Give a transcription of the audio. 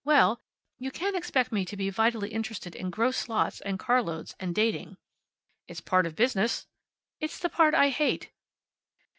Well, you can't expect me to be vitally interested in gross lots, and carloads and dating." "It's part of business." "It's the part I hate."